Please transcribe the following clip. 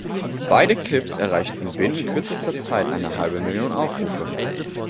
Beide Clips erreichten binnen kürzester Zeit eine halbe Million Aufrufe.